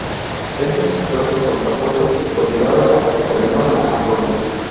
Estos esfuerzos contrapuestos continuaron hasta que terminó la hambruna.